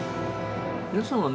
皆さんはね